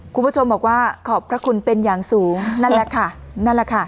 คุณผู้ชมบอกว่าขอบพระคุณเป็นอย่างสูงนั่นแหละค่ะ